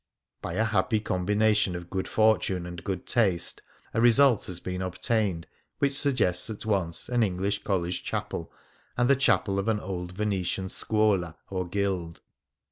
By a happy combination of good fortune and good taste, a result has been obtained which suggests at once an English college chape], and the chapel of an old Venetian scuola, or guild.